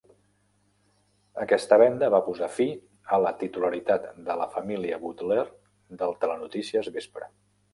Aquesta venda va posar fi a la titularitat de la família Butler del telenotícies vespre.